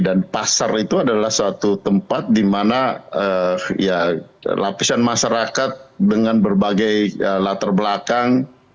dan pasar itu adalah suatu tempat dimana ya lapisan masyarakat dengan berbagai latar belakang